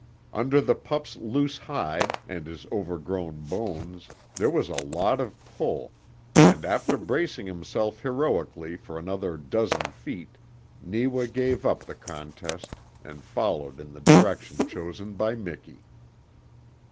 Under the pup's loose hide and his overgrown bones there was a lot of pull, and after bracing himself heroically for another dozen feet Neewa gave up the contest and followed in the direction chosen by Miki.